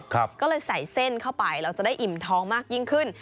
ก็เลยใส่เส้นเข้าไปเราจะได้อิ่มท้องมากยิ่งขึ้น